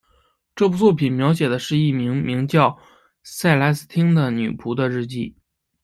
这部作品描写的是一名名叫塞莱丝汀的女仆的日记。